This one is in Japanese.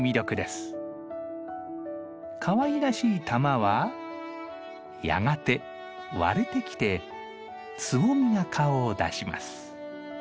かわいらしい玉はやがて割れてきてつぼみが顔を出します。